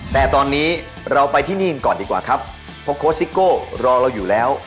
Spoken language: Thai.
แต่ตอนนี้เราไปที่นี่กันก่อนดีกว่าครับเพราะโค้ชซิโก้รอเราอยู่แล้ว